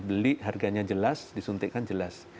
beli harganya jelas disuntik kan jelas